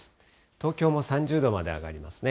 東京も３０度まで上がりますね。